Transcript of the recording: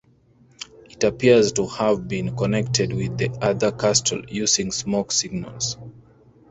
It appears to have been connected with the other castles using smoke signals.